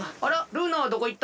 ルーナはどこいった？